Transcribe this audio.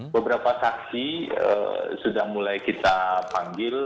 beberapa saksi sudah mulai kita panggil